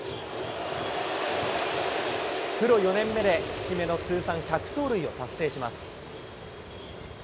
プロ４年目で、節目の通算１００盗塁を達成します。